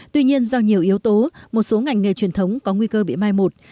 tuy nhiên do nhiều yếu tố một số ngành nghề truyền thống có nguy cơ bị mai một